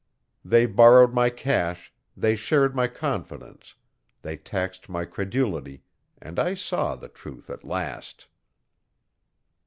They borrowed my cash, they shared my confidence, they taxed my credulity, and I saw the truth at last.